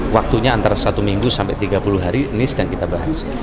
waktunya antara satu minggu sampai tiga puluh hari ini sedang kita bahas